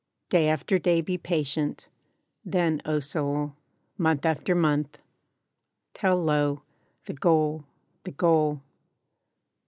Day after day be patient, then, oh, soul; Month after month—till, lo! the goal! the goal!